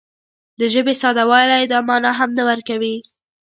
د ژبې ساده والی دا مانا هم نه ورکوي